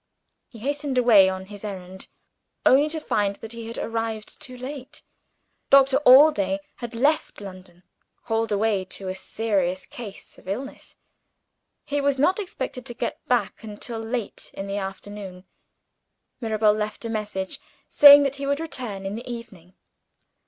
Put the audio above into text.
He hastened away on his errand only to find that he had arrived too late. Doctor Allday had left London; called away to a serious case of illness. He was not expected to get back until late in the afternoon. Mirabel left a message, saying that he would return in the evening.